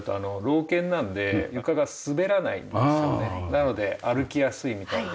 なので歩きやすいみたいで。